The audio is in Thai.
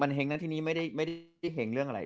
มันแห่งด้วยที่นี้ไม่ได้แห่งเรื่องอะไร